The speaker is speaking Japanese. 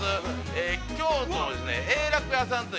京都の「永楽屋」さんと